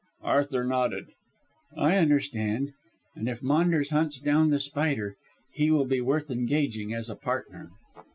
Arthur nodded. "I understand. And if Maunders hunts down The Spider he will be worth engaging as a partner."